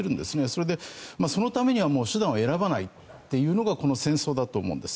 それで、そのためには手段を選ばないというのがこの戦争だと思うんです。